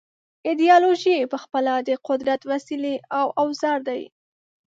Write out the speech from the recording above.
ایدیالوژۍ پخپله د قدرت وسیلې او اوزار دي.